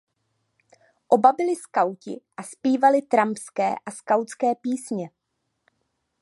Oba byli skauti a zpívali trampské a skautské písně.